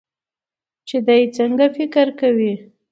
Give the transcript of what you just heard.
چې د څنګه فکر کوي